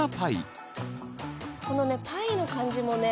このねパイの感じもね。